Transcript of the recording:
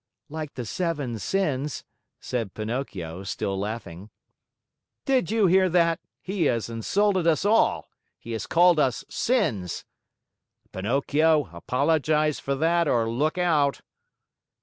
"Like the seven sins," said Pinocchio, still laughing. "Did you hear that? He has insulted us all. He has called us sins." "Pinocchio, apologize for that, or look out!"